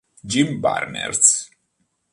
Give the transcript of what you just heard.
Jim Barnes